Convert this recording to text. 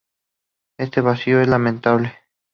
Este vacío es lamentable.